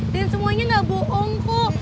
dan semuanya gak bohong kok